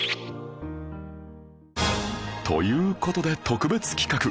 という事で特別企画